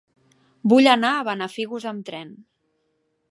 Vull anar a Benafigos amb tren.